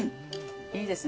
いいですね。